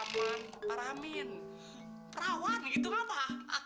ramai amin rawan gitu apa